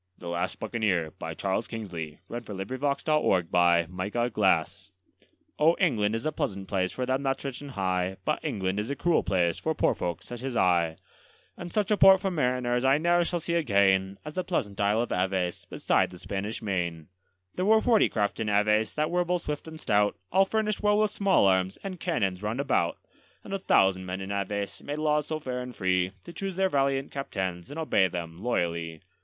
comfort him When the great ships go by. Henry Newbolt [1862 THE LAST BUCCANEER Oh, England is a pleasant place for them that's rich and high, But England is a cruel place for such poor folks as I; And such a port for mariners I ne'er shall see again As the pleasant Isle of Aves, beside the Spanish main. There were forty craft in Aves that were both swift and stout, All furnished well with small arms and cannons round about; And a thousand men in Aves made laws so fair and free To choose their valiant captains and obey them loyally.